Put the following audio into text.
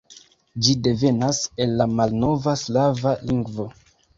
Ĝi devenas el la malnova slava lingvo.